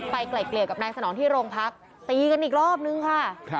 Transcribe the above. ไกล่เกลี่ยกับนายสนองที่โรงพักตีกันอีกรอบนึงค่ะ